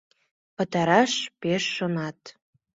Пытараш пеш шонат.